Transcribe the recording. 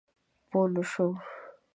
پوه نه شوم؟